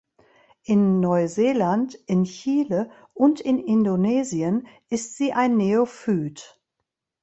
In Neuseeland, in Chile und in Indonesien ist sie ein Neophyt.